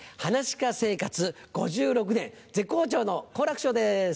噺家生活５６年絶好調の好楽師匠です。